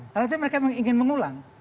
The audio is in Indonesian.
karena itu mereka ingin mengulang